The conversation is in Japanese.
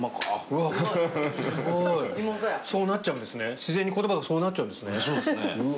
自然に言葉がそうなっちゃうんですねうわ。